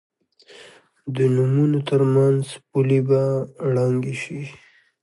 د نومونو تر منځ پولې به ړنګې شي.